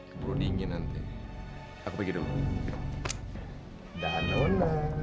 hai berdingin nanti aku pergi dulu dan